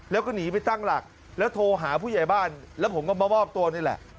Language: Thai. แล้วโทรหาผู้ใหญ่บ้านแล้วผมก็มาอบตัวนี่แหละ